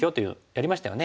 やりましたよね。